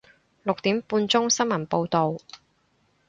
六點半鐘新聞報道